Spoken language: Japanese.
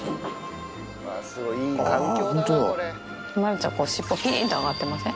マルちゃん、尻尾、ぴーんと上がってません？